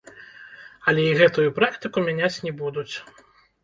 Але і гэтую практыку мяняць не будуць.